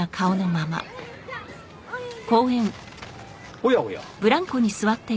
おやおや。